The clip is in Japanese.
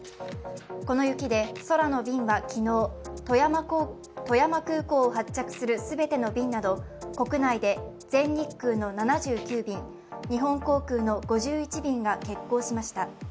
この雪で空の便が昨日富山空港を発着する全ての便など国内で全日空の７９便日本航空の５１便が欠航しました。